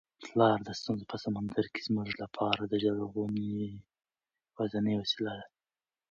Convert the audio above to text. پلار د ستونزو په سمندر کي زموږ لپاره د ژغورنې یوازینۍ وسیله ده.